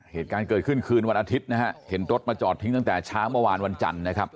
เหตุการณ์เกิดขึ้นคืนวันอาทิตย์นะฮะเห็นรถมาจอดทิ้งตั้งแต่เช้าเมื่อวานวันจันทร์นะครับ